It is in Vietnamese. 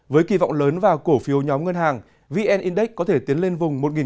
với kỳ vọng lớn vào cổ phiếu nhóm ngân hàng vn index có thể tiến lên vùng một ba mươi đến một bốn mươi điểm